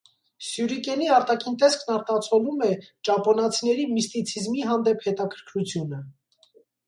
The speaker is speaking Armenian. Սյուրիկենի արտաքին տեսքն արտացոլում է ճապոնացիների միստիցիզմի հանդեպ հետաքրքրությունը։